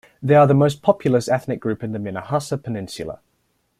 They are the most populous ethnic group in the Minahassa Peninsula.